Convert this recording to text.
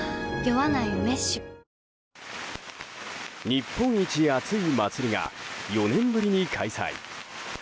日本一熱い祭りが４年ぶりに開催。